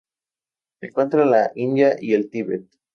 Se encuentra en la India y el Tibet.